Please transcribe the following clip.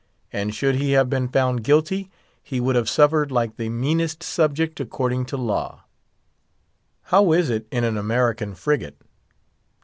And should he have been found guilty, he would have suffered like the meanest subject, "according to law." How is it in an American frigate?